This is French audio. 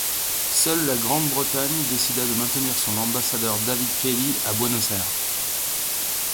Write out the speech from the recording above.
Seule la Grande-Bretagne décida de maintenir son ambassadeur David Kelly à Buenos Aires.